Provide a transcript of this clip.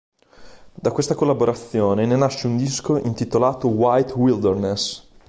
Da questa collaborazione ne nasce un disco intitolato "White Wilderness".